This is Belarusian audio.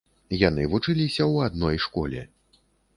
Яны вучыліся ў адной школе.